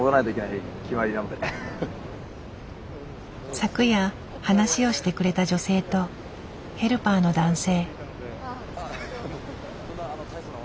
昨夜話をしてくれた女性とヘルパーの男性。